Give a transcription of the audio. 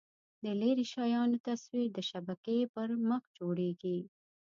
د لیرې شیانو تصویر د شبکیې په مخ کې جوړېږي.